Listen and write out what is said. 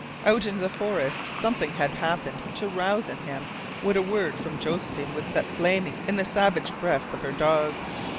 Out in the forest something had happened to rouse in him what a word from Josephine would set flaming in the savage breasts of her dogs.